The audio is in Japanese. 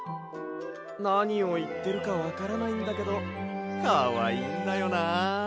なにをいってるかわからないんだけどかわいいんだよな。